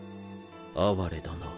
哀れだな。